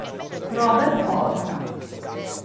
Robert Horne